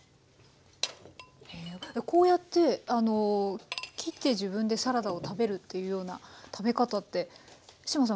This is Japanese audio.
こうやって切って自分でサラダを食べるっていうような食べ方って志麻さん